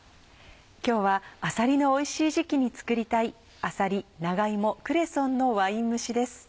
今日はあさりのおいしい時期に作りたい「あさり長芋クレソンのワイン蒸し」です。